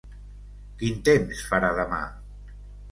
Quin temps farà demà?